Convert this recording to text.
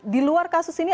di luar kasus ini